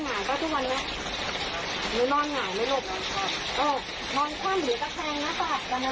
อยากหายใจยังเวลาเข้าอ๋อเยายา